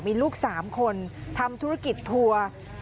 มีลูก๓คนทำธุรกิจทัวร์